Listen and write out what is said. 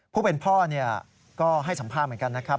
ผู้เป็นพ่อก็ให้สัมภาษณ์เหมือนกันนะครับ